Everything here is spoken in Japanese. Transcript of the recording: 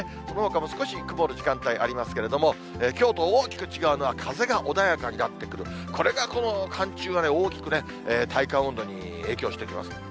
そのほかも少し曇る時間帯ありますけれども、きょうと大きく違うのは、風が穏やかになってくる、これがこの寒中は、大きく体感温度に影響してきます。